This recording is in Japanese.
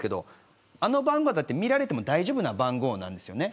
あの番号は見られても大丈夫な番号なんですよね。